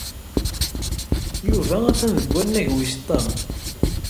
Yuba atan deg wannag wis ṭam.